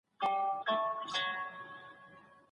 نجلۍ چای هېر نه کړ.